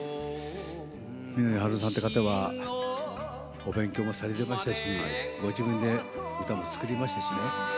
三波春夫さんって方はお勉強もされてましたしご自分で歌も作りましたしね。